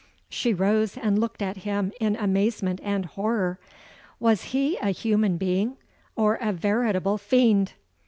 She rose and looked at him in amazement and horror. Was he a human being, or a veritable fiend?